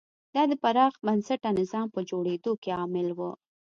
دا د پراخ بنسټه نظام په جوړېدو کې عامل و.